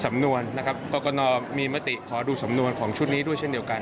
สำนวนนะครับกรกนมีมติขอดูสำนวนของชุดนี้ด้วยเช่นเดียวกัน